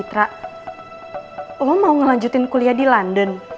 trak lo mau ngelanjutin kuliah di london